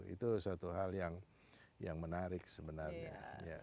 itu suatu hal yang menarik sebenarnya